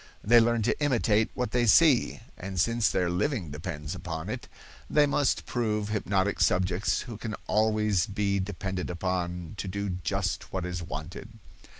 They learn to imitate what they see, and since their living depends upon it, they must prove hypnotic subjects who can always be depended upon to do just what is wanted.